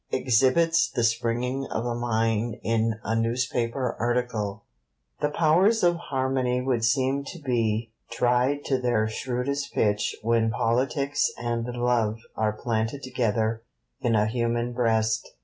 EXHIBITS THE SPRINGING OF A MINE IN A NEWSPAPER ARTICLE The powers of harmony would seem to be tried to their shrewdest pitch when Politics and Love are planted together in a human breast.